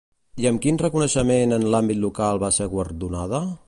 I amb quin reconeixement en l'àmbit local va ser guardonada?